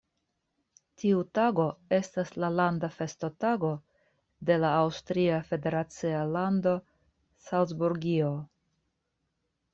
Tiu tago estas la landa festotago de la aŭstria federacia lando Salcburgio.